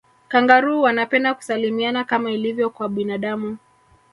kangaroo wanapenda kusalimiana kama ilivyo kwa binadamu